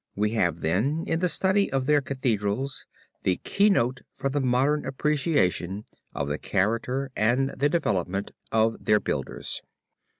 We have then in the study of their Cathedrals the keynote for the modern appreciation of the character and the development of their builders.